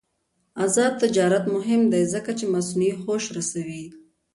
آزاد تجارت مهم دی ځکه چې مصنوعي هوش رسوي.